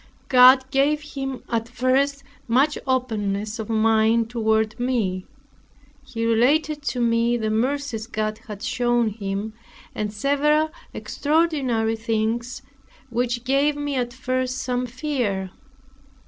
God gave him at first much openness of mind toward me. He related to me the mercies God had shown him, and several extraordinary things, which gave me at first some fear.